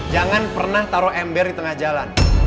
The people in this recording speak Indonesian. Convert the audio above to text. jangan pernah taruh ember di tengah jalan